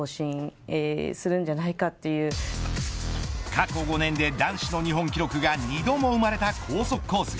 過去５年で男子の日本記録が２度も生まれた高速コース。